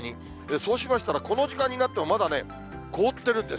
そうしましたら、この時間になっても、まだね、凍ってるんです。